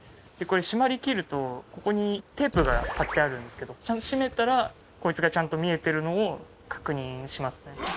ここにテープが貼ってあるんですけどちゃんと閉めたらこいつがちゃんと見えてるのを確認しますね